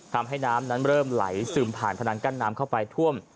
ทำให้น้ำนั้นเริ่มไหลซึมผ่านพนังกั้นน้ำเข้าไปท่วม